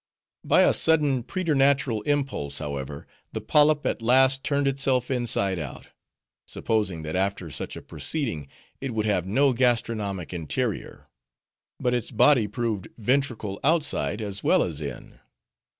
By a sudden preternatural impulse, however, the Polyp at last turned itself inside out; supposing that after such a proceeding it would have no gastronomic interior. But its body proved ventricle outside as well as in.